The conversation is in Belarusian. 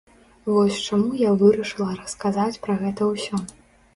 Вось чаму я вырашыла расказаць пра гэта ўсё.